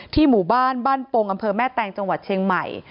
หมู่บ้านบ้านโปงอำเภอแม่แตงจังหวัดเชียงใหม่